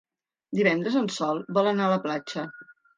Divendres en Sol vol anar a la platja.